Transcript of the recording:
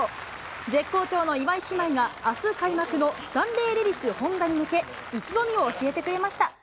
絶好調の岩井姉妹があす開幕のスタンレーレディスホンダに向け、意気込みを教えてくれました。